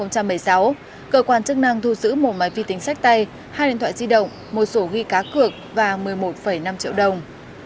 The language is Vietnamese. cơ quan chức năng thu giữ một máy vi tính sách tay hai điện thoại di động một sổ ghi cá cược và một mươi một năm triệu đồng